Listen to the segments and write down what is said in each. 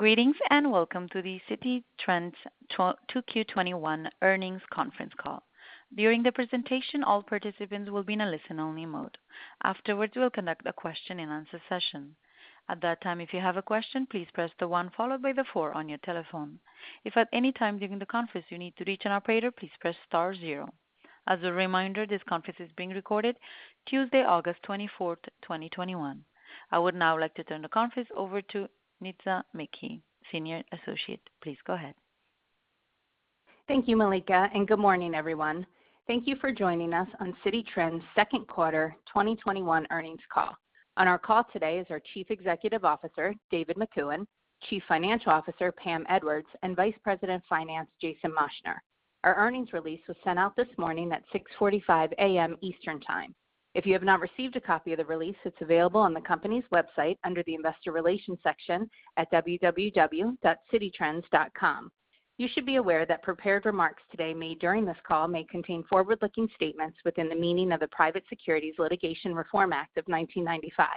Greetings, and welcome to the Citi Trends 2Q21 Earnings Conference Call. During the presentation, all participants will be in a listen-only mode. Afterwards, we'll conduct a question-and-answer session. At that time, if you have a question, please press the one followed by the four on your telephone. If at any time during the conference you need to reach an operator, please press star zero. As a reminder, this conference is being recorded Tuesday, August 24th, 2021. I would now like to turn the conference over to Nitza McKee, Senior Associate. Please go ahead. Thank you, Malika. Good morning, everyone. Thank you for joining us on Citi Trends' second quarter 2021 earnings call. On our call today is our Chief Executive Officer, David Makuen, Chief Financial Officer, Pamela Edwards, and Vice President of Finance, Jason Moschner. Our earnings release was sent out this morning at 6:45 A.M. Eastern Time. If you have not received a copy of the release, it's available on the company's website under the investor relations section at www.cititrends.com. You should be aware that prepared remarks today made during this call may contain forward-looking statements within the meaning of the Private Securities Litigation Reform Act of 1995.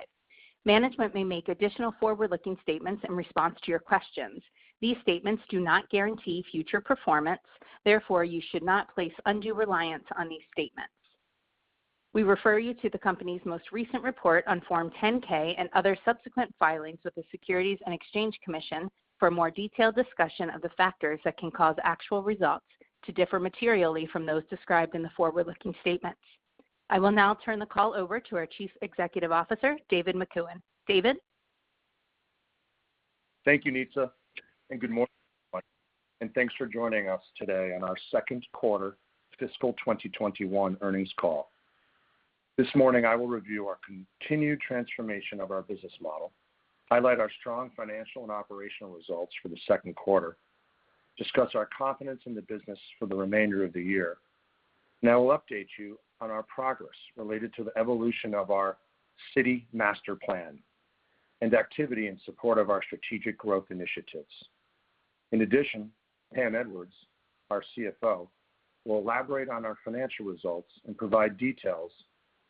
Management may make additional forward-looking statements in response to your questions. These statements do not guarantee future performance, therefore, you should not place undue reliance on these statements. We refer you to the company's most recent report on Form 10-K and other subsequent filings with the Securities and Exchange Commission for a more detailed discussion of the factors that can cause actual results to differ materially from those described in the forward-looking statements. I will now turn the call over to our Chief Executive Officer, David Makuen. David? Thank you, Nitza, and good morning, and thanks for joining us today on our second quarter fiscal 2021 earnings call. This morning, I will review our continued transformation of our business model, highlight our strong financial and operational results for the second quarter, discuss our confidence in the business for the remainder of the year, and I will update you on our progress related to the evolution of our Citi Master Plan and activity in support of our strategic growth initiatives. In addition, Pamela Edwards, our CFO, will elaborate on our financial results and provide details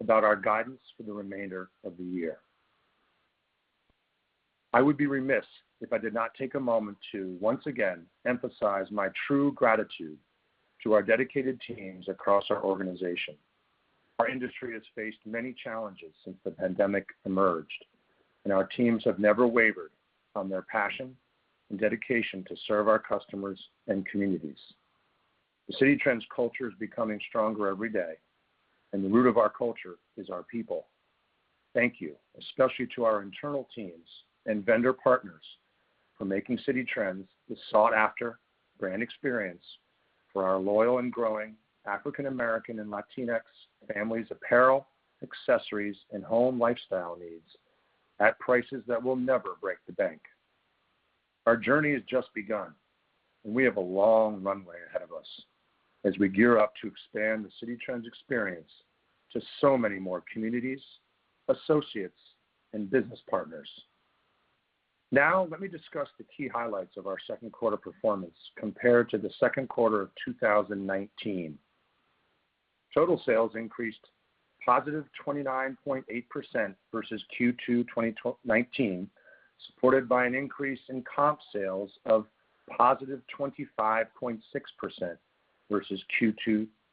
about our guidance for the remainder of the year. I would be remiss if I did not take a moment to once again emphasize my true gratitude to our dedicated teams across our organization. Our industry has faced many challenges since the pandemic emerged, and our teams have never wavered on their passion and dedication to serve our customers and communities. The Citi Trends culture is becoming stronger every day, and the root of our culture is our people. Thank you, especially to our internal teams and vendor partners for making Citi Trends the sought-after brand experience for our loyal and growing African American and Latinx families' apparel, accessories, and home lifestyle needs at prices that will never break the bank. Our journey has just begun, and we have a long runway ahead of us as we gear up to expand the Citi Trends experience to so many more communities, associates, and business partners. Now, let me discuss the key highlights of our second quarter performance compared to the second quarter of 2019. Total sales increased positive 29.8% versus Q2 2019, supported by an increase in comp sales of positive 25.6% versus Q2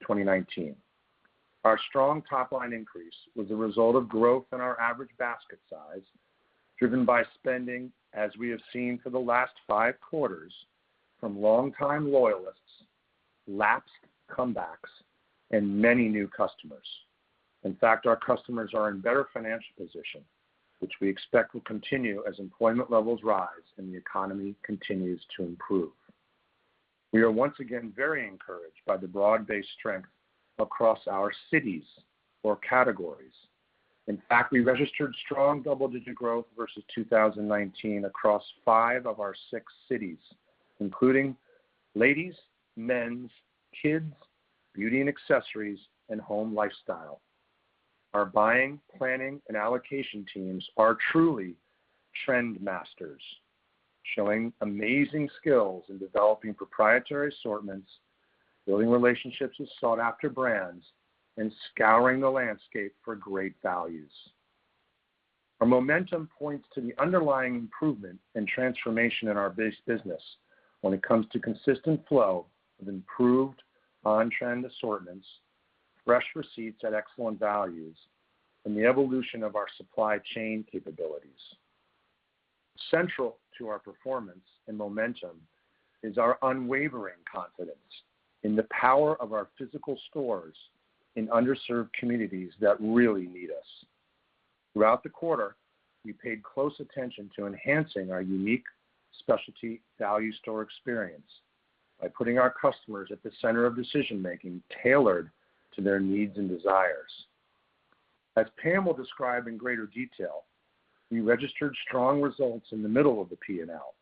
2019. Our strong top-line increase was a result of growth in our average basket size, driven by spending, as we have seen for the last five quarters, from long-time loyalists, lapsed comebacks, and many new customers. In fact, our customers are in better financial position, which we expect will continue as employment levels rise and the economy continues to improve. We are once again very encouraged by the broad-based strength across our cities or categories. In fact, we registered strong double-digit growth versus 2019 across five of our six cities, including ladies, men's, kids, beauty and accessories, and home lifestyle. Our buying, planning, and allocation teams are truly trend masters, showing amazing skills in developing proprietary assortments, building relationships with sought-after brands, and scouring the landscape for great values. Our momentum points to the underlying improvement and transformation in our base business when it comes to consistent flow of improved on-trend assortments, fresh receipts at excellent values, and the evolution of our supply chain capabilities. Central to our performance and momentum is our unwavering confidence in the power of our physical stores in underserved communities that really need us. Throughout the quarter, we paid close attention to enhancing our unique specialty value store experience by putting our customers at the center of decision-making tailored to their needs and desires. As Pamela Edwards will describe in greater detail, we registered strong results in the middle of the P&L,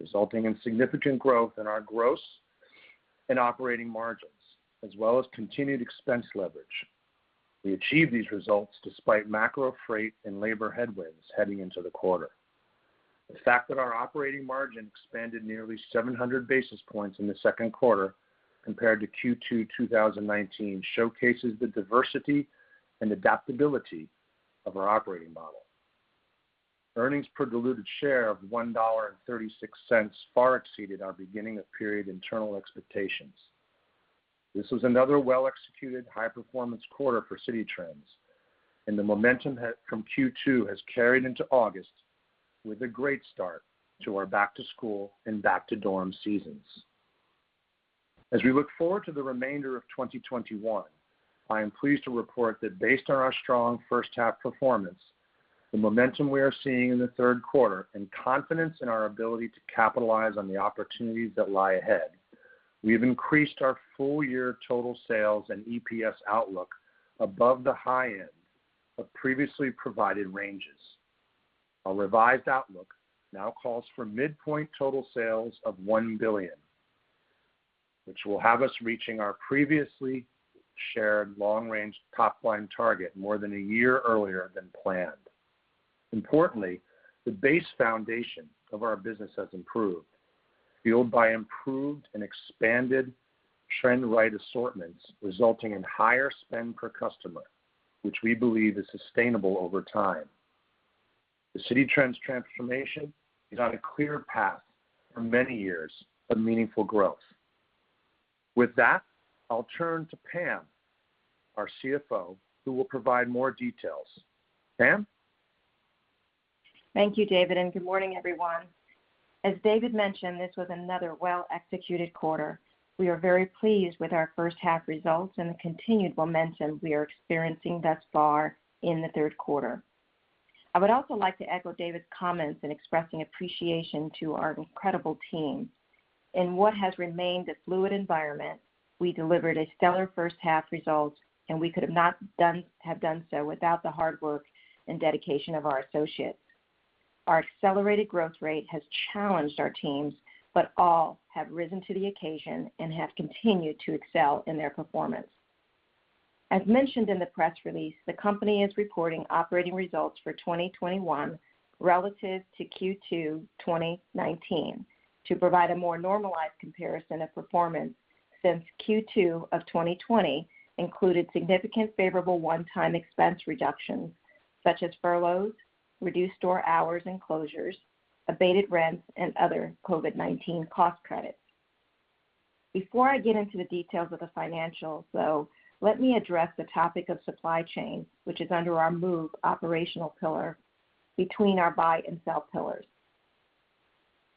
resulting in significant growth in our gross and operating margins, as well as continued expense leverage. We achieved these results despite macro freight and labor headwinds heading into the quarter. The fact that our operating margin expanded nearly 700 basis points in the second quarter compared to Q2 2019 showcases the diversity and adaptability of our operating model. Earnings per diluted share of $1.36 far exceeded our beginning of period internal expectations. This was another well-executed, high-performance quarter for Citi Trends, and the momentum from Q2 has carried into August with a great start to our back-to-school and back-to-dorm seasons. As we look forward to the remainder of 2021, I am pleased to report that based on our strong first half performance, the momentum we are seeing in the third quarter, and confidence in our ability to capitalize on the opportunities that lie ahead, we have increased our full year total sales and EPS outlook above the high end of previously provided ranges. Our revised outlook now calls for midpoint total sales of $1 billion, which will have us reaching our previously shared long-range top-line target more than a year earlier than planned. Importantly, the base foundation of our business has improved, fueled by improved and expanded trend-right assortments, resulting in higher spend per customer, which we believe is sustainable over time. The Citi Trends transformation is on a clear path for many years of meaningful growth. With that, I'll turn to Pam, our CFO, who will provide more details. Pam? Thank you, David, and good morning, everyone. As David mentioned, this was another well-executed quarter. We are very pleased with our first half results and the continued momentum we are experiencing thus far in the third quarter. I would also like to echo David's comments in expressing appreciation to our incredible team. In what has remained a fluid environment, we delivered a stellar first half result, and we could not have done so without the hard work and dedication of our associates. Our accelerated growth rate has challenged our teams, but all have risen to the occasion and have continued to excel in their performance. As mentioned in the press release, the company is reporting operating results for 2021 relative to Q2 2019 to provide a more normalized comparison of performance since Q2 of 2020 included significant favorable one-time expense reductions, such as furloughs, reduced store hours and closures, abated rents, and other COVID-19 cost credits. Before I get into the details of the financials, though, let me address the topic of supply chain, which is under our move operational pillar between our buy and sell pillars.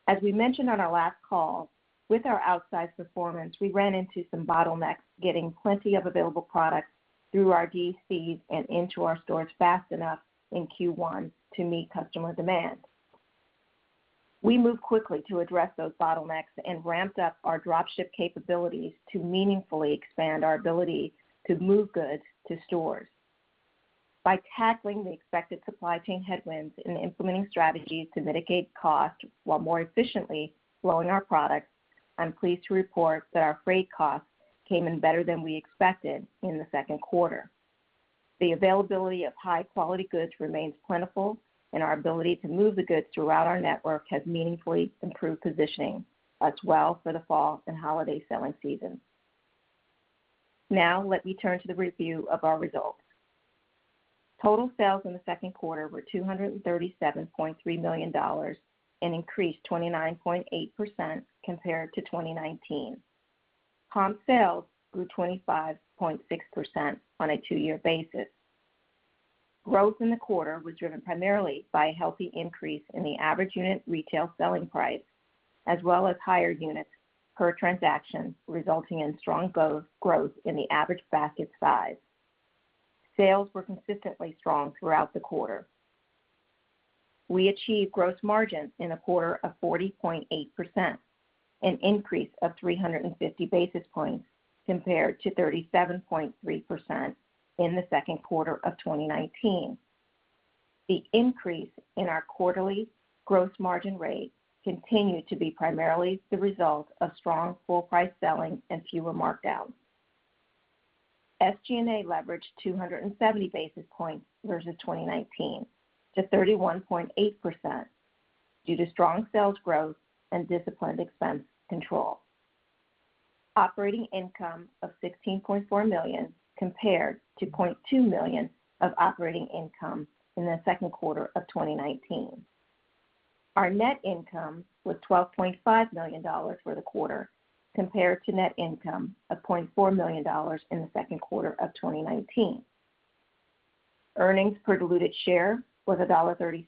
As we mentioned on our last call, with our outsized performance, we ran into some bottlenecks getting plenty of available products through our DCs and into our stores fast enough in Q1 to meet customer demand. We moved quickly to address those bottlenecks and ramped up our drop ship capabilities to meaningfully expand our ability to move goods to stores. By tackling the expected supply chain headwinds and implementing strategies to mitigate costs while more efficiently flowing our products, I'm pleased to report that our freight costs came in better than we expected in the second quarter. The availability of high-quality goods remains plentiful, and our ability to move the goods throughout our network has meaningfully improved positioning as well for the fall and holiday selling season. Now, let me turn to the review of our results. Total sales in the second quarter were $237.3 million and increased 29.8% compared to 2019. Comp sales grew 25.6% on a two-year basis. Growth in the quarter was driven primarily by a healthy increase in the average unit retail selling price, as well as higher units per transaction, resulting in strong growth in the average basket size. Sales were consistently strong throughout the quarter. We achieved gross margins in the quarter of 40.8%, an increase of 350 basis points compared to 37.3% in the second quarter of 2019. The increase in our quarterly gross margin rate continued to be primarily the result of strong full price selling and fewer markdowns. SG&A leverage 270 basis points versus 2019 to 31.8% due to strong sales growth and disciplined expense control. Operating income of $16.4 million compared to $0.2 million of operating income in the second quarter of 2019. Our net income was $12.5 million for the quarter compared to net income of $0.4 million in the second quarter of 2019. Earnings per diluted share was $1.36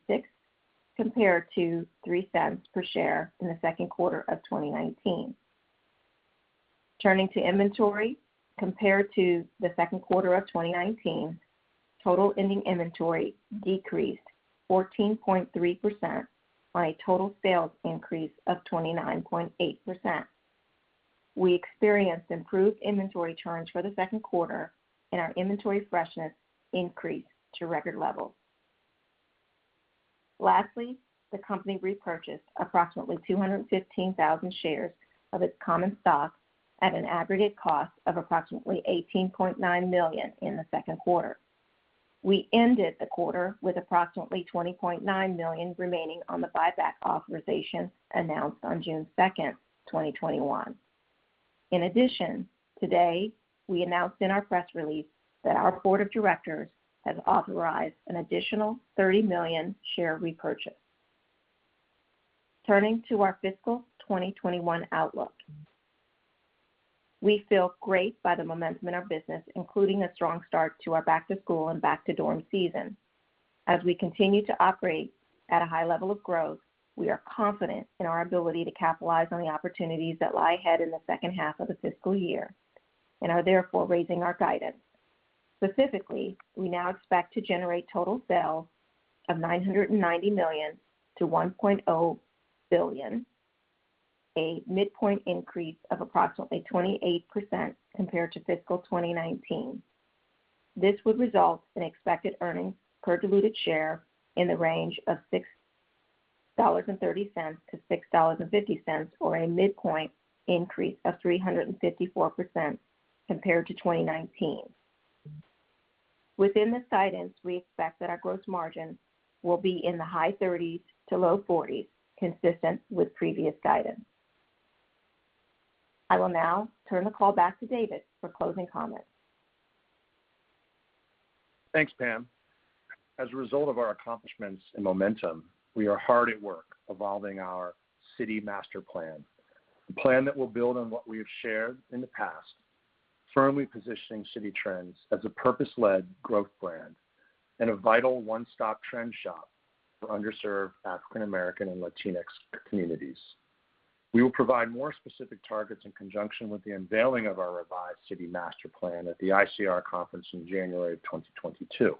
compared to $0.03 per share in the second quarter of 2019. Turning to inventory, compared to the second quarter of 2019, total ending inventory decreased 14.3% on a total sales increase of 29.8%. We experienced improved inventory turns for the second quarter, and our inventory freshness increased to record levels. Lastly, the company repurchased approximately 215,000 shares of its common stock at an aggregate cost of approximately $18.9 million in the second quarter. We ended the quarter with approximately $20.9 million remaining on the buyback authorization announced on June 2nd, 2021. In addition, today, we announced in our press release that our board of directors has authorized an additional $30 million share repurchase. Turning to our fiscal 2021 outlook. We feel great by the momentum in our business, including a strong start to our back to school and back to dorm season. As we continue to operate at a high level of growth, we are confident in our ability to capitalize on the opportunities that lie ahead in the second half of the fiscal year, and are therefore raising our guidance. Specifically, we now expect to generate total sales of $990 million-$1.0 billion, a midpoint increase of approximately 28% compared to fiscal 2019. This would result in expected earnings per diluted share in the range of $6.30-$6.50, or a midpoint increase of 354% compared to 2019. Within this guidance, we expect that our growth margins will be in the high 30s to low 40s, consistent with previous guidance. I will now turn the call back to David for closing comments. Thanks, Pam. As a result of our accomplishments and momentum, we are hard at work evolving our Citi Master Plan, a plan that will build on what we have shared in the past, firmly positioning Citi Trends as a purpose-led growth brand and a vital one-stop trend shop for underserved African American and Latinx communities. We will provide more specific targets in conjunction with the unveiling of our revised Citi Master Plan at the ICR conference in January of 2022.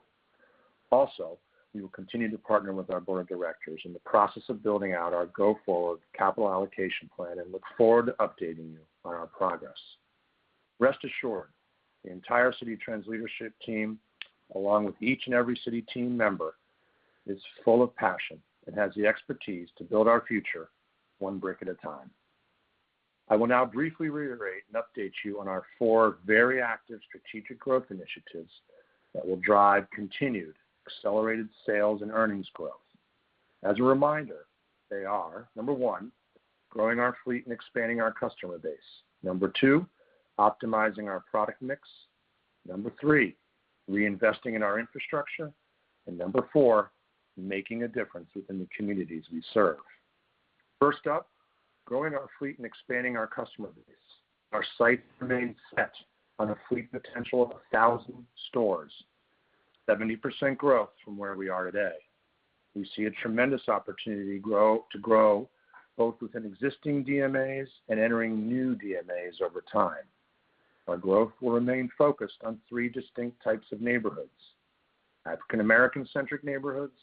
We will continue to partner with our board of directors in the process of building out our go-forward capital allocation plan and look forward to updating you on our progress. Rest assured, the entire Citi Trends leadership team, along with each and every Citi team member, is full of passion and has the expertise to build our future one brick at a time. I will now briefly reiterate and update you on our four very active strategic growth initiatives that will drive continued accelerated sales and earnings growth. As a reminder, they are, number one, growing our fleet and expanding our customer base. Number two, optimizing our product mix. Number three, reinvesting in our infrastructure. Number four, making a difference within the communities we serve. First up, growing our fleet and expanding our customer base. Our sights remain set on a fleet potential of 1,000 stores, 70% growth from where we are today. We see a tremendous opportunity to grow both within existing DMAs and entering new DMAs over time. Our growth will remain focused on three distinct types of neighborhoods: African American-centric neighborhoods,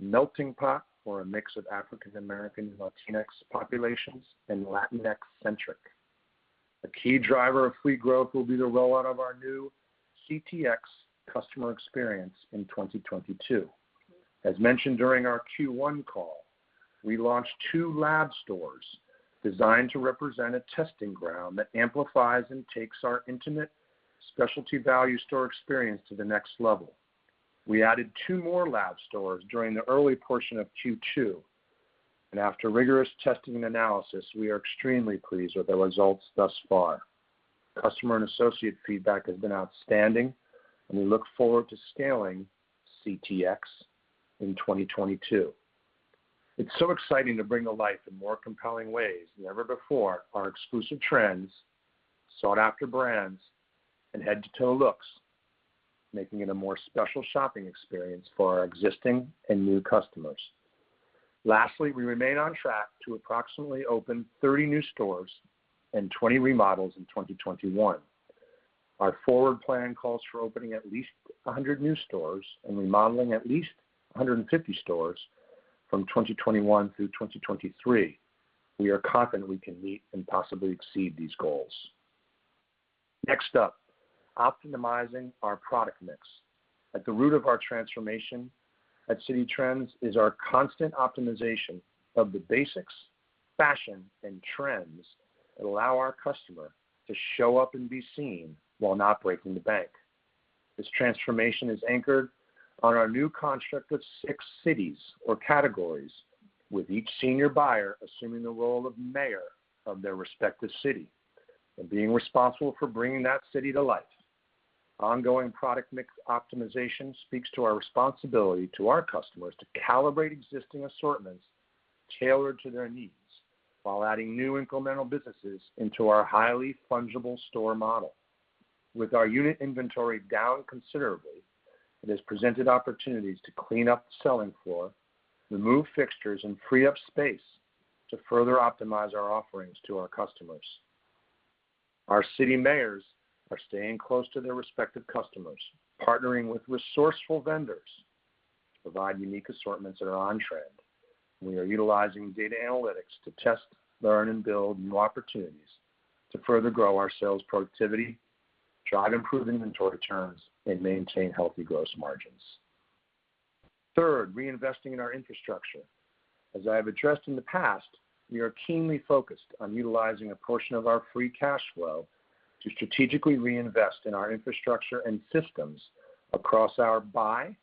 melting pot, or a mix of African American-Latinx populations, and Latinx-centric. A key driver of fleet growth will be the rollout of our new CTX customer experience in 2022. As mentioned during our Q1 call, we launched two lab stores designed to represent a testing ground that amplifies and takes our intimate specialty value store experience to the next level. After rigorous testing and analysis, we are extremely pleased with the results thus far. Customer and associate feedback has been outstanding. We look forward to scaling CTX in 2022. It's so exciting to bring to life, in more compelling ways than ever before, our exclusive trends, sought-after brands, and head-to-toe looks, making it a more special shopping experience for our existing and new customers. Lastly, we remain on track to approximately open 30 new stores and 20 remodels in 2021. Our forward plan calls for opening at least 100 new stores and remodeling at least 150 stores from 2021 through 2023. We are confident we can meet and possibly exceed these goals. Next up, optimizing our product mix. At the root of our transformation at Citi Trends is our constant optimization of the basics, fashion, and trends that allow our customer to show up and be seen while not breaking the bank. This transformation is anchored on our new construct of six cities or categories, with each senior buyer assuming the role of mayor of their respective city and being responsible for bringing that city to life. Ongoing product mix optimization speaks to our responsibility to our customers to calibrate existing assortments tailored to their needs while adding new incremental businesses into our highly fungible store model. With our unit inventory down considerably, it has presented opportunities to clean up the selling floor, remove fixtures, and free up space to further optimize our offerings to our customers. Our Citi mayors are staying close to their respective customers, partnering with resourceful vendors to provide unique assortments that are on-trend. We are utilizing data analytics to test, learn, and build new opportunities to further grow our sales productivity, drive improved inventory turns, and maintain healthy gross margins. Third, reinvesting in our infrastructure. As I have addressed in the past, we are keenly focused on utilizing a portion of our free cash flow to strategically reinvest in our infrastructure and systems across our buy,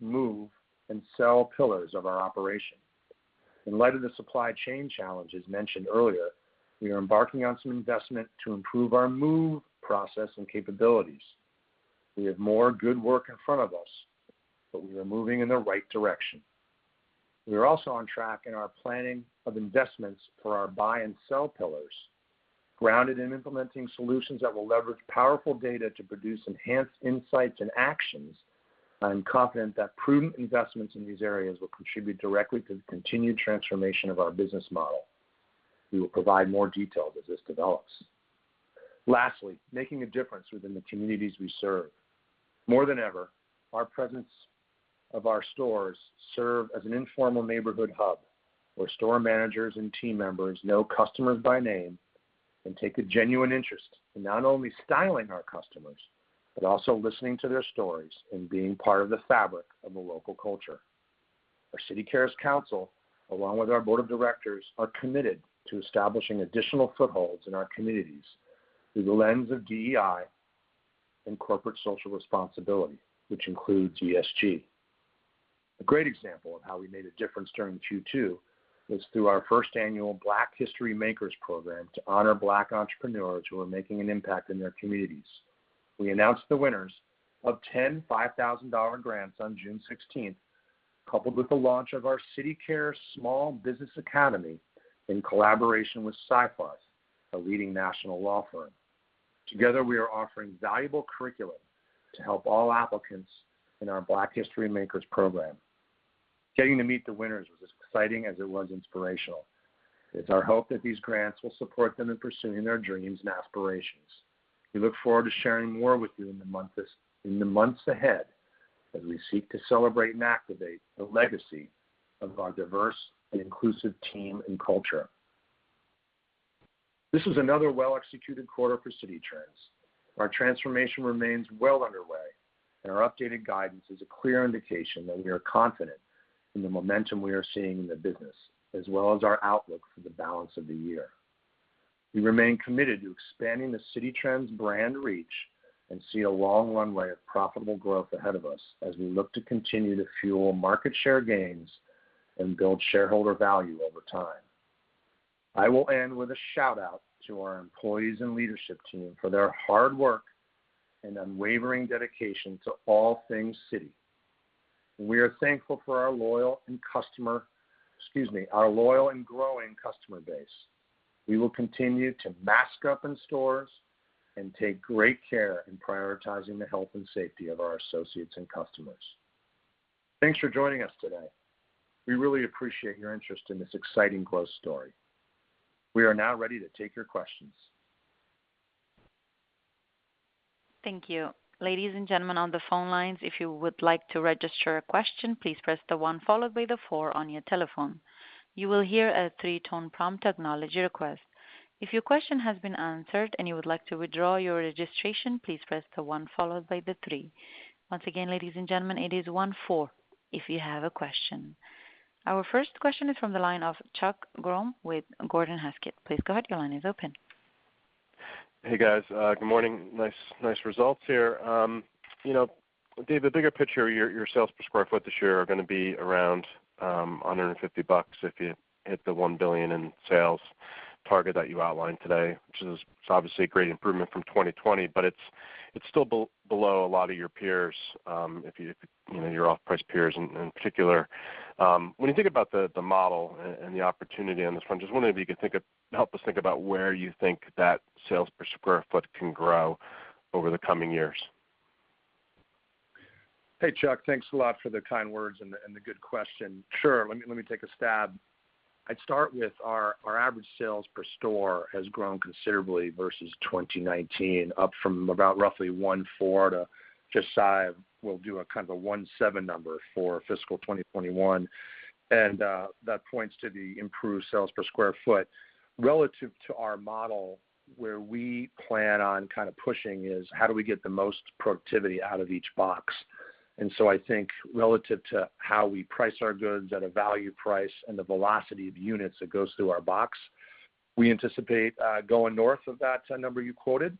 move, and sell pillars of our operation. In light of the supply chain challenges mentioned earlier, we are embarking on some investment to improve our move process and capabilities. We have more good work in front of us. We are moving in the right direction. We are also on track in our planning of investments for our buy and sell pillars, grounded in implementing solutions that will leverage powerful data to produce enhanced insights and actions. I am confident that prudent investments in these areas will contribute directly to the continued transformation of our business model. We will provide more detail as this develops. Lastly, making a difference within the communities we serve. More than ever, our presence of our stores serve as an informal neighborhood hub, where store managers and team members know customers by name and take a genuine interest in not only styling our customers, but also listening to their stories and being part of the fabric of the local culture. Our Citi Cares Council, along with our board of directors, are committed to establishing additional footholds in our communities through the lens of DEI and corporate social responsibility, which includes ESG. A great example of how we made a difference during Q2 was through our first annual Black History Makers program to honor Black entrepreneurs who are making an impact in their communities. We announced the winners of 10 $5,000 grants on June 16th, coupled with the launch of our CitiCares Small Business Academy in collaboration with Sidley Austin, a leading national law firm. Together, we are offering valuable curriculum to help all applicants in our Black History Makers program. Getting to meet the winners was as exciting as it was inspirational. It's our hope that these grants will support them in pursuing their dreams and aspirations. We look forward to sharing more with you in the months ahead, as we seek to celebrate and activate the legacy of our diverse and inclusive team and culture. This was another well-executed quarter for Citi Trends. Our transformation remains well underway, and our updated guidance is a clear indication that we are confident in the momentum we are seeing in the business, as well as our outlook for the balance of the year. We remain committed to expanding the Citi Trends brand reach and see a long runway of profitable growth ahead of us as we look to continue to fuel market share gains and build shareholder value over time. I will end with a shout-out to our employees and leadership team for their hard work and unwavering dedication to all things Citi. We are thankful for our loyal and customer Excuse me, our loyal and growing customer base. We will continue to mask up in stores and take great care in prioritizing the health and safety of our associates and customers. Thanks for joining us today. We really appreciate your interest in this exciting growth story. We are now ready to take your questions. Our first question is from the line of Chuck Grom with Gordon Haskett. Please go ahead, your line is open. Hey, guys. Good morning. Nice results here. David, the bigger picture, your sales per square foot this year are going to be around $150 if you hit the $1 billion in sales target that you outlined today, which is obviously a great improvement from 2020. It's still below a lot of your peers, your off-price peers in particular. When you think about the model and the opportunity on this front, just wondering if you could help us think about where you think that sales per square foot can grow over the coming years. Hey, Chuck. Thanks a lot for the kind words and the good question. Sure, let me take a stab. I'd start with our average sales per store has grown considerably versus 2019, up from about roughly 1.4 to just shy of we'll do a kind of a 1.7 number for fiscal 2021, and that points to the improved sales per square foot. Relative to our model, where we plan on kind of pushing is, how do we get the most productivity out of each box? I think relative to how we price our goods at a value price and the velocity of units that goes through our box, we anticipate going north of that number you quoted.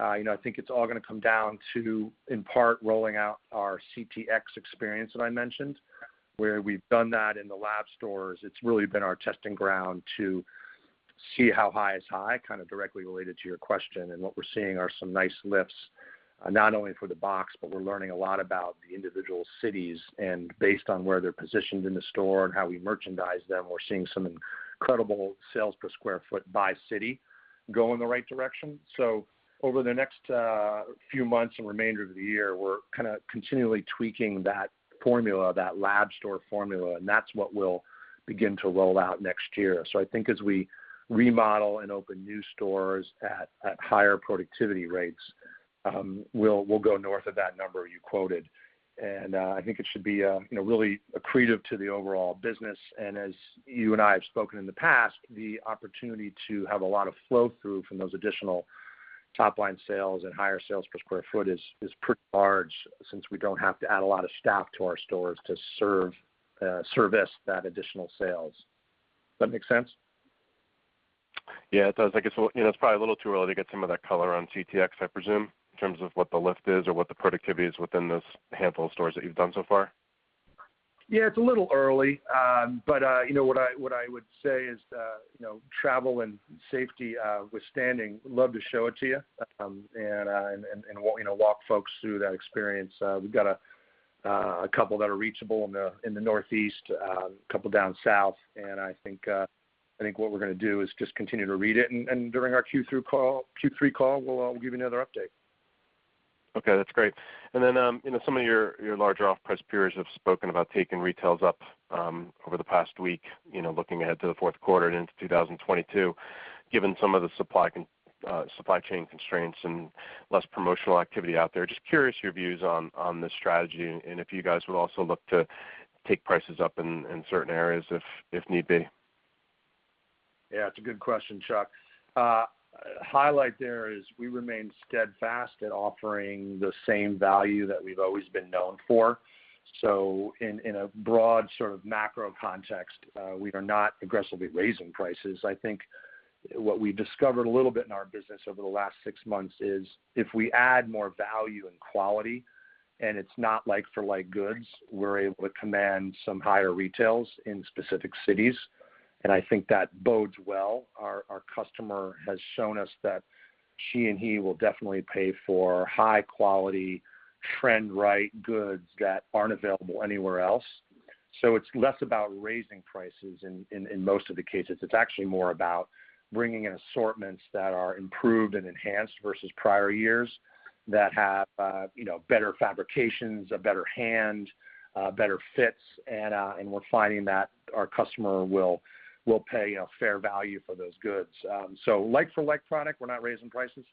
I think it's all gonna come down to, in part, rolling out our CTX experience that I mentioned, where we've done that in the lab stores. It's really been our testing ground to see how high is high, kind of directly related to your question. What we're seeing are some nice lifts, not only for the box, but we're learning a lot about the individual cities, and based on where they're positioned in the store and how we merchandise them, we're seeing some incredible sales per square foot by city go in the right direction. Over the next few months and remainder of the year, we're kind of continually tweaking that formula, that lab store formula, and that's what we'll begin to roll out next year. I think as we remodel and open new stores at higher productivity rates, we'll go north of that number you quoted. I think it should be really accretive to the overall business. As you and I have spoken in the past, the opportunity to have a lot of flow through from those additional top-line sales and higher sales per square foot is pretty large, since we don't have to add a lot of staff to our stores to service that additional sales. Does that make sense? Yeah, it does. I guess, it's probably a little too early to get some of that color on CTX, I presume, in terms of what the lift is or what the productivity is within this handful of stores that you've done so far. Yeah, it's a little early. What I would say is, travel and safety withstanding, love to show it to you, and walk folks through that experience. We've got a couple that are reachable in the Northeast, a couple down South, and I think what we're going to do is just continue to read it, and during our Q3 call, we'll give you another update. Okay, that's great. Some of your larger off-price peers have spoken about taking retails up over the past week, looking ahead to the fourth quarter and into 2022, given some of the supply chain constraints and less promotional activity out there. Just curious, your views on this strategy, and if you guys would also look to take prices up in certain areas if need be. Yeah, it's a good question, Chuck. Highlight there is we remain steadfast at offering the same value that we've always been known for. In a broad sort of macro context, we are not aggressively raising prices. I think what we discovered a little bit in our business over the last six months is if we add more value and quality, and it's not like-for-like goods, we're able to command some higher retails in specific cities, and I think that bodes well. Our customer has shown us that she and he will definitely pay for high quality, trend-right goods that aren't available anywhere else. It's less about raising prices in most of the cases. It's actually more about bringing in assortments that are improved and enhanced versus prior years, that have better fabrications, a better hand, better fits, and we're finding that our customer will pay a fair value for those goods. Like-for-like product, we're not raising prices,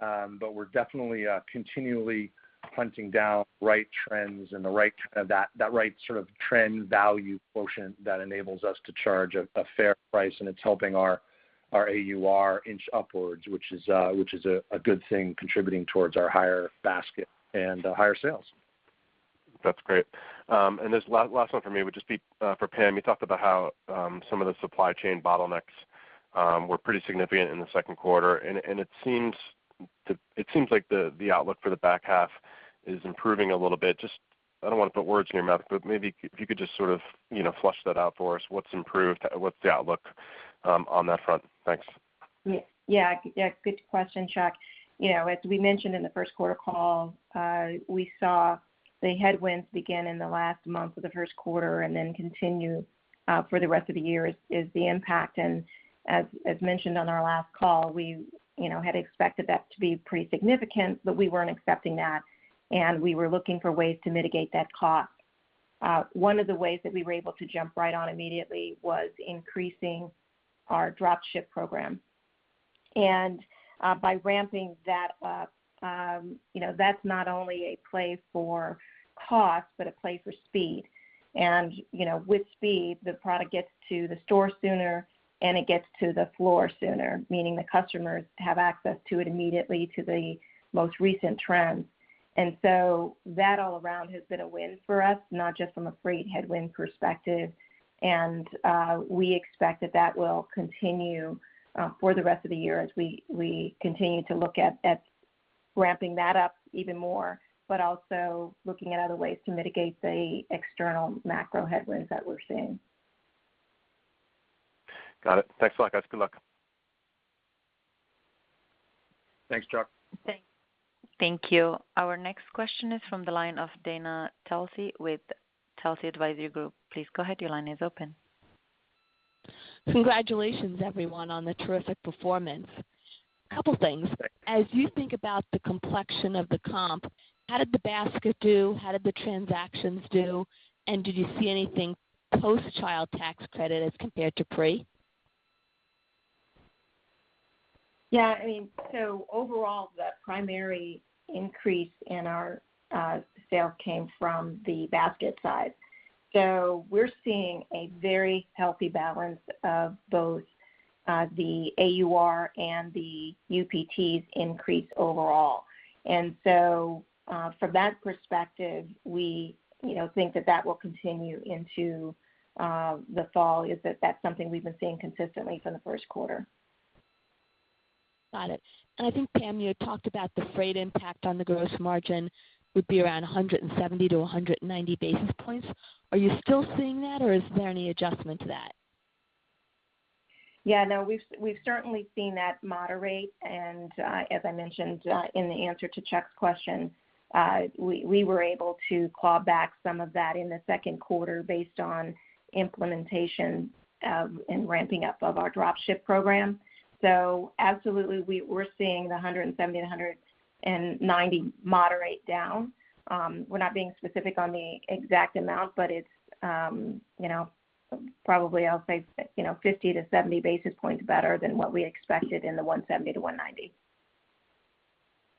but we're definitely continually hunting down right trends and that right sort of trend value quotient that enables us to charge a fair price, and it's helping our AUR inch upwards, which is a good thing contributing towards our higher basket and higher sales. That's great. This last one for me would just be for Pam. You talked about how some of the supply chain bottlenecks were pretty significant in the second quarter, and it seems like the outlook for the back half is improving a little bit. Just, I don't want to put words in your mouth, but maybe if you could just sort of flush that out for us, what's improved? What's the outlook on that front? Thanks. Yeah. Good question, Chuck Grom. As we mentioned in the first quarter call, we saw the headwinds begin in the last month of the first quarter and then continue for the rest of the year is the impact. As mentioned on our last call, we had expected that to be pretty significant, but we weren't accepting that, and we were looking for ways to mitigate that cost. One of the ways that we were able to jump right on immediately was increasing our drop ship program. By ramping that up, that's not only a play for cost, but a play for speed. With speed, the product gets to the store sooner, and it gets to the floor sooner, meaning the customers have access to it immediately to the most recent trends. That all around has been a win for us, not just from a freight headwind perspective. We expect that that will continue for the rest of the year as we continue to look at ramping that up even more, but also looking at other ways to mitigate the external macro headwinds that we're seeing. Got it. Thanks a lot, guys. Good luck. Thanks, Chuck. Thanks. Thank you. Our next question is from the line of Dana Telsey with Telsey Advisory Group. Please go ahead, your line is open. Congratulations, everyone, on the terrific performance. Couple things. As you think about the complexion of the comp, how did the basket do? How did the transactions do? Did you see anything post Child Tax Credit as compared to pre? Overall, the primary increase in our sales came from the basket side. We're seeing a very healthy balance of both the AUR and the UPTs increase overall. From that perspective, we think that that will continue into the fall, is that that's something we've been seeing consistently from the first quarter. Got it. I think, Pam, you had talked about the freight impact on the gross margin would be around 170 to 190 basis points. Are you still seeing that, or is there any adjustment to that? Yeah, no, we've certainly seen that moderate, and as I mentioned in the answer to Chuck's question, we were able to claw back some of that in the second quarter based on implementation and ramping up of our drop ship program. Absolutely, we're seeing the 170-190 moderate down. We're not being specific on the exact amount, but it's probably, I'll say, 50-70 basis points better than what we expected in the 170-190.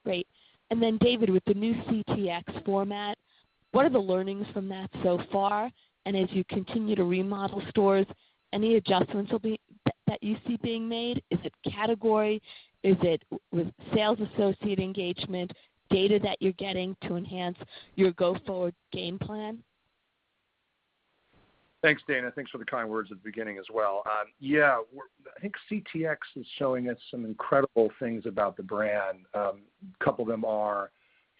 Great. David, with the new CTX format, what are the learnings from that so far? As you continue to remodel stores, any adjustments that you see being made? Is it category? Is it with sales associate engagement, data that you're getting to enhance your go-forward game plan? Thanks, Dana. Thanks for the kind words at the beginning as well. Yeah, I think CTX is showing us some incredible things about the brand. A couple of them are,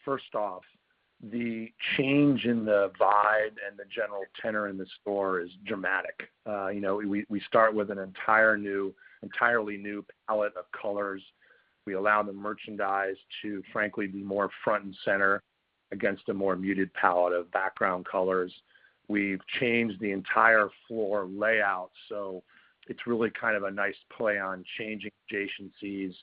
first off, the change in the vibe and the general tenor in the store is dramatic. We start with an entirely new palette of colors. We allow the merchandise to frankly be more front and center against a more muted palette of background colors. We've changed the entire floor layout. It's really a nice play on changing adjacencies,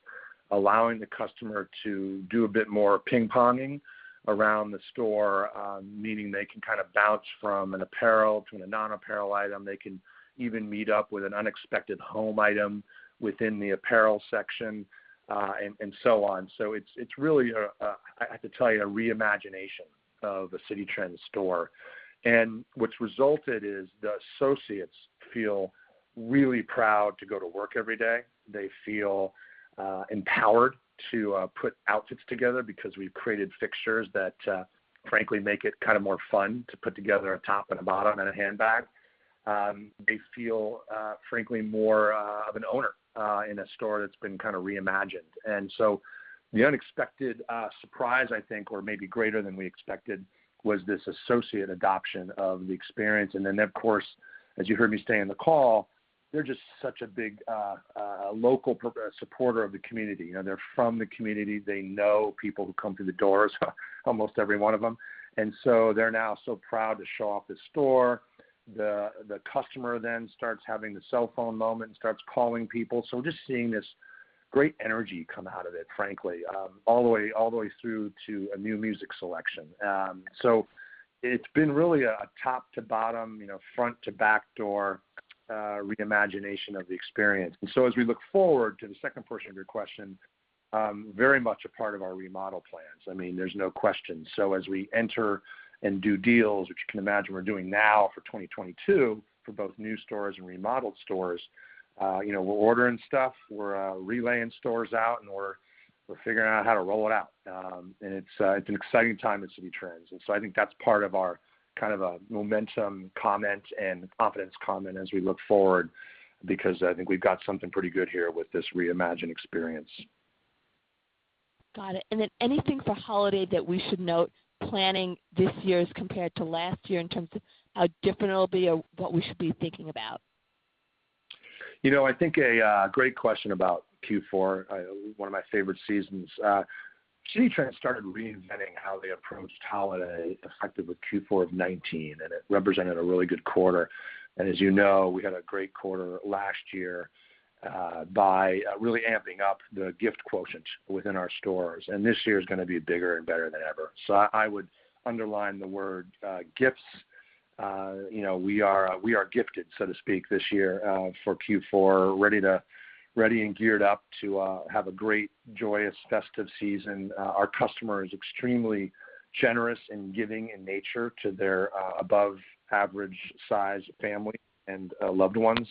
allowing the customer to do a bit more ping ponging around the store, meaning they can bounce from an apparel to a non-apparel item. They can even meet up with an unexpected home item within the apparel section, and so on. It's really, I have to tell you, a re-imagination of the Citi Trends store. What's resulted is the associates feel really proud to go to work every day. They feel empowered to put outfits together because we've created fixtures that frankly make it more fun to put together a top and a bottom and a handbag. They feel frankly more of an owner in a store that's been reimagined. The unexpected surprise, I think, or maybe greater than we expected, was this associate adoption of the experience. Of course, as you heard me say in the call, they're just such a big local supporter of the community. They're from the community. They know people who come through the doors, almost every one of them. They're now so proud to show off the store. The customer then starts having the cell phone moment and starts calling people. Just seeing this great energy come out of it, frankly, all the way through to a new music selection. It's been really a top to bottom, front to back door reimagination of the experience. As we look forward to the second portion of your question, very much a part of our remodel plans. There's no question. As we enter and do deals, which you can imagine we're doing now for 2022 for both new stores and remodeled stores, we're ordering stuff, we're relaying stores out, and we're figuring out how to roll it out. It's an exciting time at Citi Trends. I think that's part of our momentum comment and confidence comment as we look forward, because I think we've got something pretty good here with this reimagined experience. Got it. Anything for holiday that we should note planning this year as compared to last year in terms of how different it'll be or what we should be thinking about? I think a great question about Q4, one of my favorite seasons. Citi Trends started reinventing how they approached holiday effective with Q4 of 2019, it represented a really good quarter. As you know, we had a great quarter last year by really amping up the gift quotient within our stores. This year is going to be bigger and better than ever. I would underline the word gifts. We are gifted, so to speak, this year for Q4, ready and geared up to have a great, joyous, festive season. Our customer is extremely generous and giving in nature to their above average-size family and loved ones,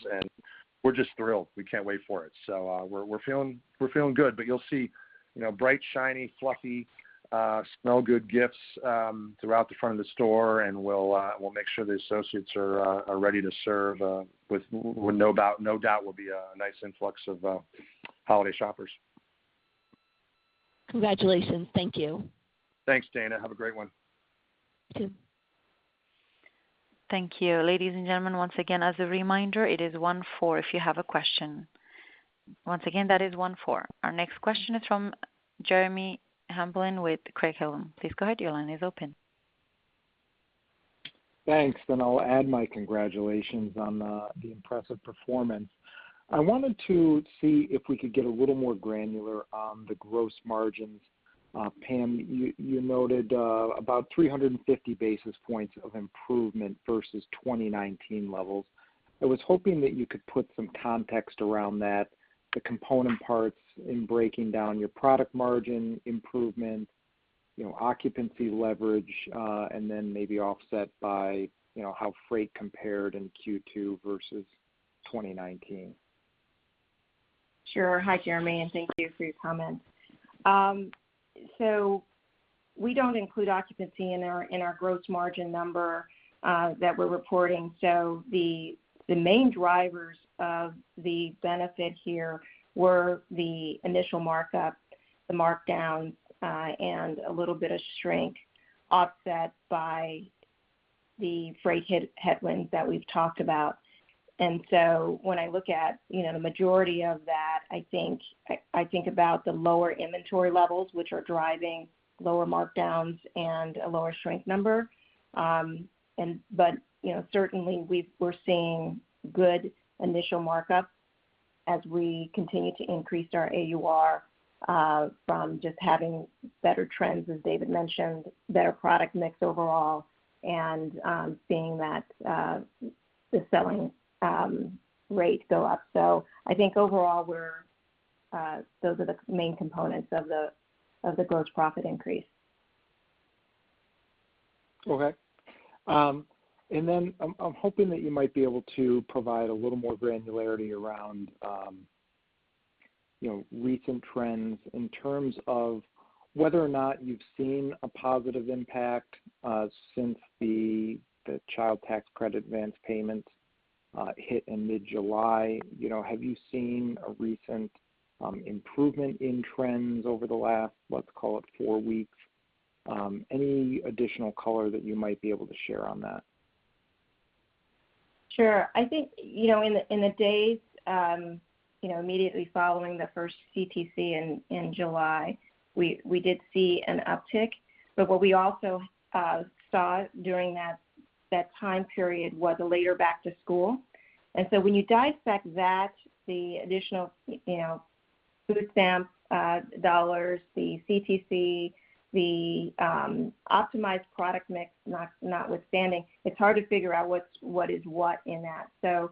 we're just thrilled. We can't wait for it. We're feeling good. You'll see bright, shiny, fluffy, smell good gifts throughout the front of the store, and we'll make sure the associates are ready to serve with no doubt will be a nice influx of holiday shoppers. Congratulations. Thank you. Thanks, Dana. Have a great one. You too. Thank you. Ladies and gentlemen, once again, as a reminder, it is one, four if you have a question. Once again, that is one, four. Our next question is from Jeremy Hamblin with Craig-Hallum. Please go ahead. Your line is open. Thanks. I'll add my congratulations on the impressive performance. I wanted to see if we could get a little more granular on the gross margins. Pam, you noted about 350 basis points of improvement versus 2019 levels. I was hoping that you could put some context around that, the component parts in breaking down your product margin improvement, occupancy leverage, and then maybe offset by how freight compared in Q2 versus 2019. Sure. Hi, Jeremy, thank you for your comments. We don't include occupancy in our gross margin number that we're reporting. The main drivers of the benefit here were the initial markups, the markdowns, and a little bit of shrink offset by the freight headwinds that we've talked about. When I look at the majority of that, I think about the lower inventory levels, which are driving lower markdowns and a lower shrink number. Certainly, we're seeing good initial markups as we continue to increase our AUR from just having better trends, as David mentioned, better product mix overall, and seeing that the selling rate go up. I think overall, those are the main components of the gross profit increase. Okay. I'm hoping that you might be able to provide a little more granularity around recent trends in terms of whether or not you've seen a positive impact since the Child Tax Credit advance payments hit in mid-July. Have you seen a recent improvement in trends over the last, let's call it, four weeks? Any additional color that you might be able to share on that? Sure. I think, in the days immediately following the first CTC in July, we did see an uptick. What we also saw during that time period was a later back to school. When you dissect that, the additional food stamp dollars, the CTC, the optimized product mix notwithstanding, it's hard to figure out what is what in that.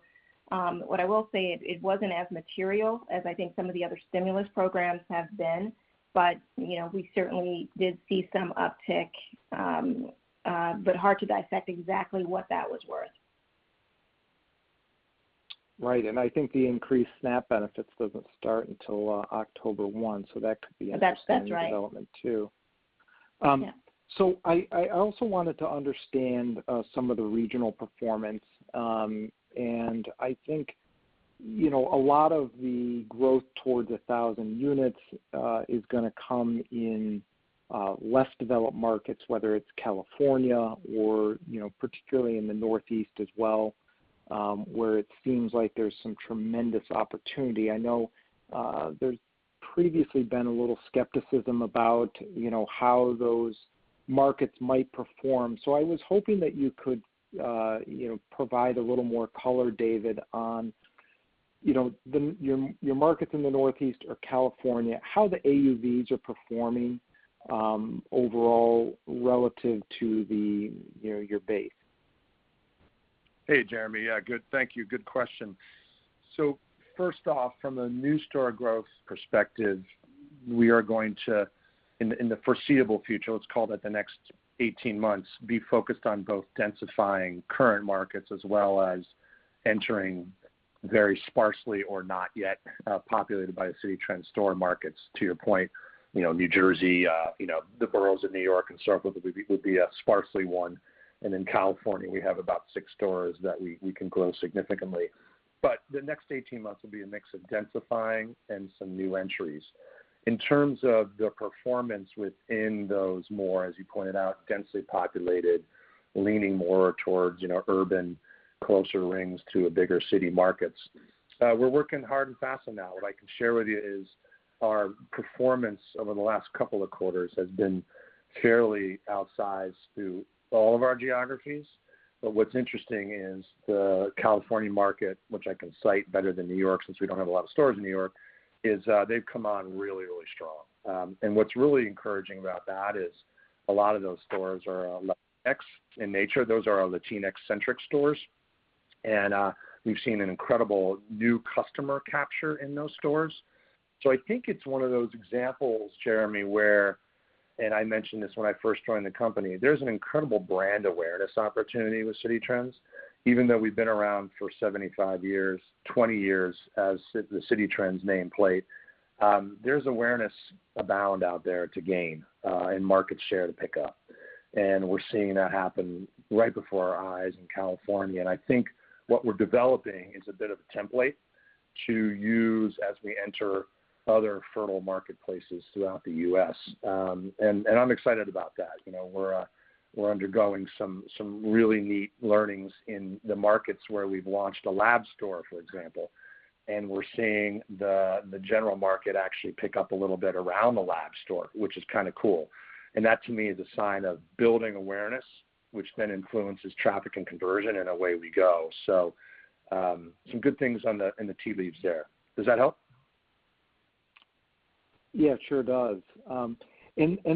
What I will say, it wasn't as material as I think some of the other stimulus programs have been. We certainly did see some uptick, but hard to dissect exactly what that was worth. Right. I think the increased SNAP benefits doesn't start until October 1. That's right. a development, too. Yeah. I also wanted to understand some of the regional performance. I think a lot of the growth towards 1,000 units is going to come in less developed markets, whether it's California or particularly in the Northeast as well, where it seems like there's some tremendous opportunity. I know there's previously been a little skepticism about how those markets might perform. I was hoping that you could provide a little more color, David, on your markets in the Northeast or California, how the AUVs are performing overall relative to your base. Hey, Jeremy. Yeah, good, thank you. Good question. First off, from a new store growth perspective, we are going to, in the foreseeable future, let's call it the next 18 months, be focused on both densifying current markets as well as entering very sparsely or not yet populated by the Citi Trends store markets. To your point, New Jersey, the boroughs of New York and so forth, would be a sparsely one. In California, we have about six stores that we can grow significantly. The next 18 months will be a mix of densifying and some new entries. In terms of the performance within those more, as you pointed out, densely populated, leaning more towards urban, closer rings to bigger city markets, we're working hard and fast on that. What I can share with you is our performance over the last couple of quarters has been fairly outsized to all of our geographies. What's interesting is the California market, which I can cite better than N.Y., since we don't have a lot of stores in N.Y., is they've come on really, really strong. What's really encouraging about that is a lot of those stores are Latinx in nature. Those are our Latinx-centric stores. We've seen an incredible new customer capture in those stores. I think it's one of those examples, Jeremy, where, and I mentioned this when I first joined the company, there's an incredible brand awareness opportunity with Citi Trends, even though we've been around for 75 years, 20 years as the Citi Trends nameplate. There's awareness abound out there to gain and market share to pick up. We're seeing that happen right before our eyes in California. I think what we're developing is a bit of a template to use as we enter other fertile marketplaces throughout the U.S. I'm excited about that. We're undergoing some really neat learnings in the markets where we've launched a lab store, for example, and we're seeing the general market actually pick up a little bit around the lab store, which is kind of cool. That, to me, is a sign of building awareness, which then influences traffic and conversion, and away we go. Some good things in the tea leaves there. Does that help? Yeah, it sure does.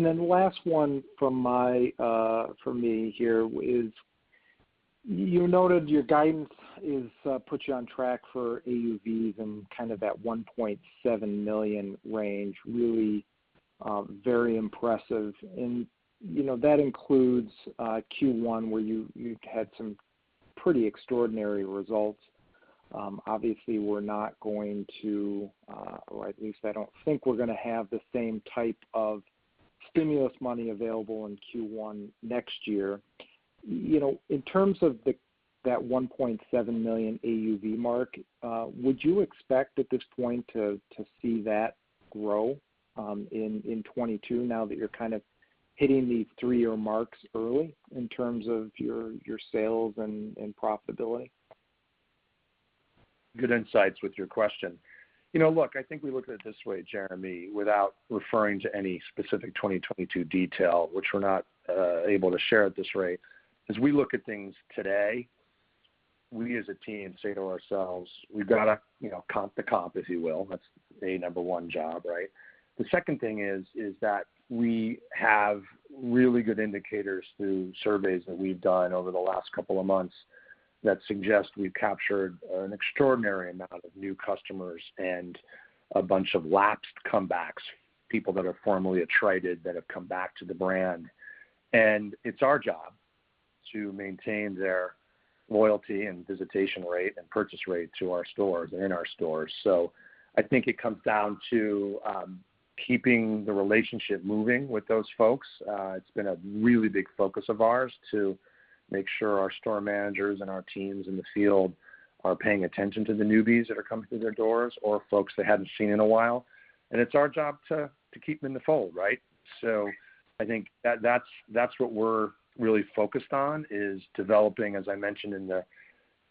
Last one from me here is, you noted your guidance puts you on track for AUVs in kind of that $1.7 million range. Really very impressive. That includes Q1, where you had some pretty extraordinary results. Obviously, we're not going to, or at least I don't think we're going to have the same type of stimulus money available in Q1 next year. In terms of that $1.7 million AUV mark, would you expect at this point to see that grow in 2022, now that you're kind of hitting these three-year marks early in terms of your sales and profitability? Good insights with your question. Look, I think we looked at it this way, Jeremy, without referring to any specific 2022 detail, which we're not able to share at this rate. As we look at things today, we, as a team, say to ourselves, we've got to comp the comp, if you will. That's the number one job, right? The second thing is that we have really good indicators through surveys that we've done over the last couple of months that suggest we've captured an extraordinary amount of new customers and a bunch of lapsed comebacks, people that are formerly attrited that have come back to the brand. It's our job to maintain their loyalty and visitation rate and purchase rate to our stores and in our stores. I think it comes down to keeping the relationship moving with those folks. It's been a really big focus of ours to make sure our store managers and our teams in the field are paying attention to the newbies that are coming through their doors or folks they hadn't seen in a while. It's our job to keep them in the fold, right? I think that's what we're really focused on, is developing, as I mentioned in the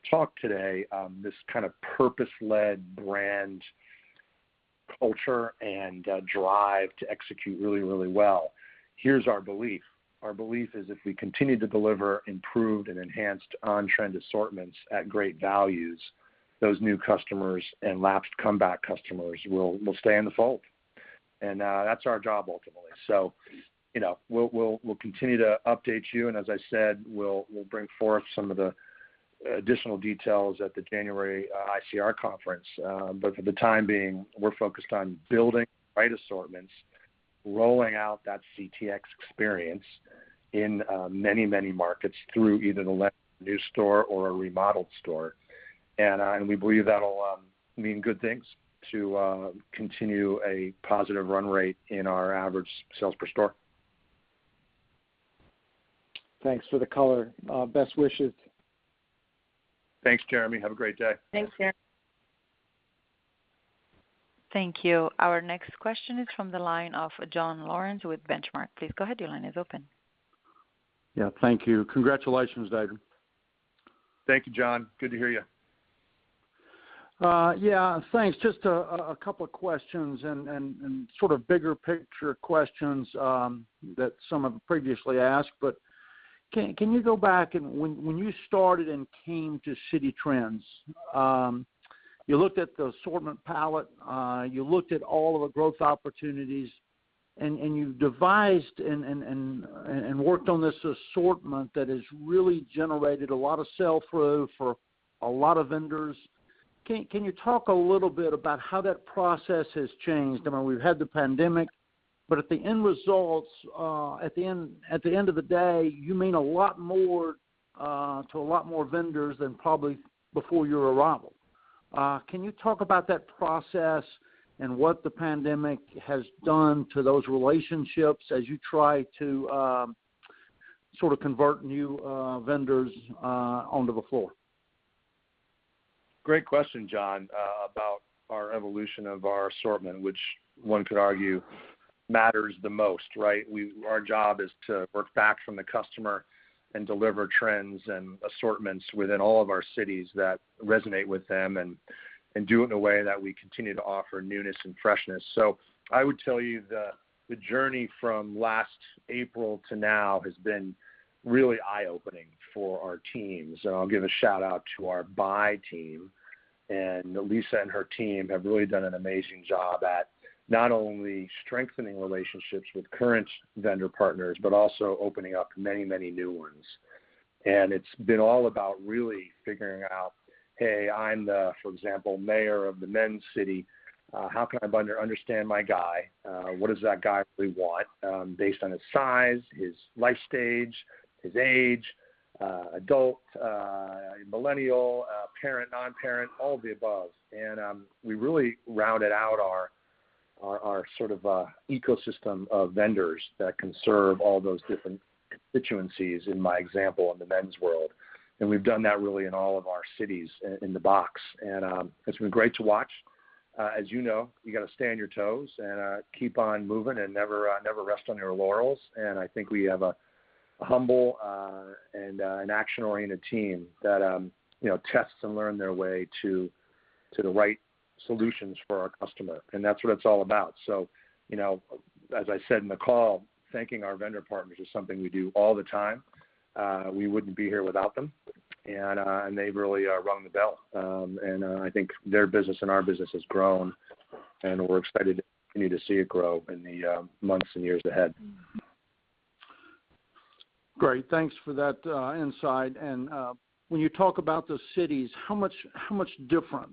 talk today, this kind of purpose-led brand culture and drive to execute really, really well. Here's our belief. Our belief is if we continue to deliver improved and enhanced on-trend assortments at great values, those new customers and lapsed comeback customers will stay in the fold, and that's our job ultimately. We'll continue to update you, and as I said, we'll bring forth some of the additional details at the January ICR conference. For the time being, we're focused on building the right assortments, rolling out that CTX experience in many, many markets through either the new store or a remodeled store. We believe that'll mean good things to continue a positive run rate in our average sales per store. Thanks for the color. Best wishes. Thanks, Jeremy. Have a great day. Thanks, Jeremy. Thank you. Our next question is from the line of John Lawrence with Benchmark. Please go ahead, your line is open. Yeah, thank you. Congratulations, David. Thank you, John. Good to hear you. Yeah, thanks. Just a couple of questions and sort of bigger picture questions that some have previously asked, but can you go back and when you started and came to Citi Trends, you looked at the assortment palette, you looked at all of the growth opportunities, and you devised and worked on this assortment that has really generated a lot of sell-through for a lot of vendors. Can you talk a little bit about how that process has changed? I mean, we've had the pandemic, but at the end results, at the end of the day, you mean a lot more to a lot more vendors than probably before your arrival. Can you talk about that process and what the pandemic has done to those relationships as you try to sort of convert new vendors onto the floor? Great question, John, about our evolution of our assortment, which one could argue matters the most, right? Our job is to work back from the customer and deliver trends and assortments within all of our cities that resonate with them and do it in a way that we continue to offer newness and freshness. I would tell you the journey from last April to now has been really eye-opening for our teams. I'll give a shout-out to our buy team, and Lisa and her team have really done an amazing job at not only strengthening relationships with current vendor partners but also opening up many, many new ones. It's been all about really figuring out, hey, I'm the, for example, mayor of the men's city, how can I better understand my guy? What does that guy really want based on his size, his life stage, his age, adult, millennial, parent, non-parent, all of the above. We really rounded out our sort of ecosystem of vendors that can serve all those different constituencies, in my example, in the men's world. We've done that really in all of our cities in the box, and it's been great to watch. As you know, you got to stay on your toes and keep on moving and never rest on your laurels. I think we have a humble and an action-oriented team that tests and learn their way to the right solutions for our customer, and that's what it's all about. As I said in the call, thanking our vendor partners is something we do all the time. We wouldn't be here without them. They really rung the bell, and I think their business and our business has grown, and we're excited to continue to see it grow in the months and years ahead. Great. Thanks for that insight. When you talk about the cities, how much different,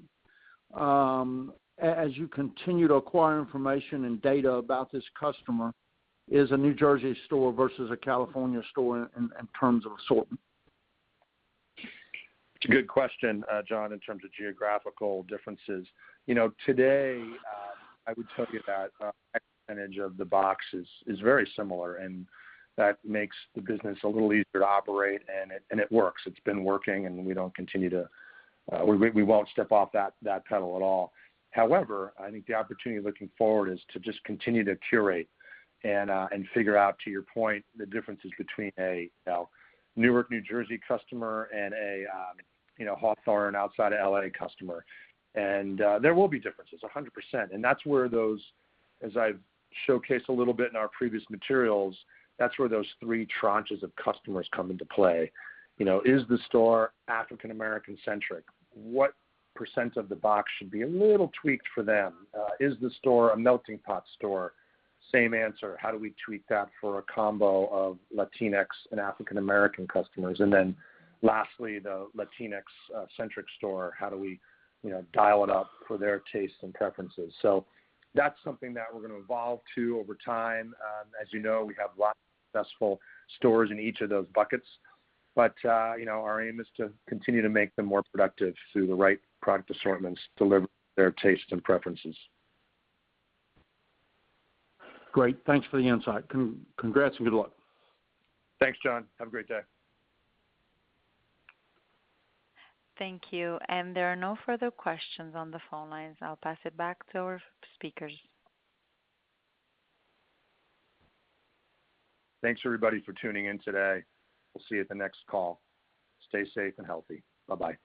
as you continue to acquire information and data about this customer, is a New Jersey store versus a California store in terms of assortment? It's a good question, John, in terms of geographical differences. Today, I would tell you that a percentage of the box is very similar, and that makes the business a little easier to operate, and it works. It's been working, and we won't step off that pedal at all. However, I think the opportunity looking forward is to just continue to curate and figure out, to your point, the differences between a Newark, New Jersey, customer and a Hawthorne outside of L.A. customer. There will be differences, 100%. That's where those, as I've showcased a little bit in our previous materials, that's where those three tranches of customers come into play. Is the store African American centric? What percent of the box should be a little tweaked for them? Is the store a melting pot store? Same answer. How do we tweak that for a combo of Latinx and African American customers? Lastly, the Latinx centric store, how do we dial it up for their tastes and preferences? That's something that we're going to evolve to over time. As you know, we have lots of successful stores in each of those buckets. Our aim is to continue to make them more productive through the right product assortments to deliver their tastes and preferences. Great. Thanks for the insight. Congrats and good luck. Thanks, John. Have a great day. Thank you. There are no further questions on the phone lines. I'll pass it back to our speakers. Thanks everybody for tuning in today. We'll see you at the next call. Stay safe and healthy. Bye-bye.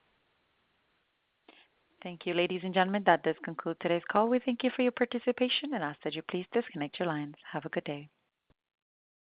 Thank you, ladies and gentlemen. That does conclude today's call. We thank you for your participation and ask that you please disconnect your lines. Have a good day.